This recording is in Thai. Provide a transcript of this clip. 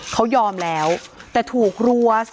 เขายอมแล้วแต่ถูกรัว